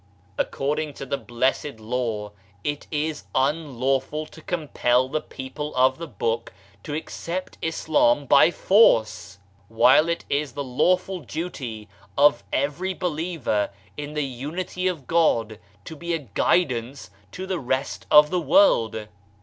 According to the blessed Law it is unlawful to compel the people of the Book to accept Islam by force, while it is the lawful duty of every believer in the Unity of God to be a guidance to the rest of the world.